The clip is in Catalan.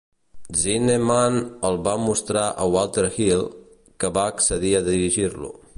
Zinnemann el va mostrar a Walter Hill, que va accedir a dirigir-lo.